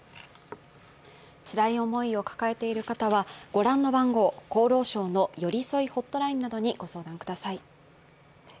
つらい思いを抱えている方はご覧の番号、厚労省のよりそいホットラインなどにご相談ください。